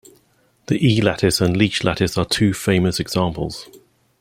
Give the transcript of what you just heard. The "E" lattice and the Leech lattice are two famous examples.